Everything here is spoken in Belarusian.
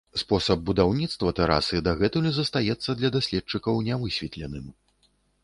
Спосаб будаўніцтва тэрасы дагэтуль застаецца для даследчыкаў нявысветленым.